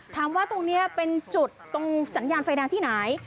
ถามว่าตรงนี้เป็นจุดตรงสัญญาณไฟแดงที่ไหน